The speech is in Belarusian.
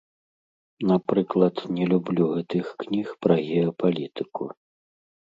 Напрыклад, не люблю гэтых кніг пра геапалітыку.